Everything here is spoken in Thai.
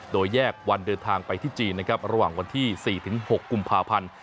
โดยแยกวันเดินทางไปที่จีนนะครับระหว่างวันที่๔๖กุมภาพันธ์